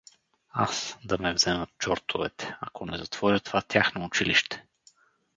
— Аз, да ме вземат чортовете, ако не затворя това тяхно училище!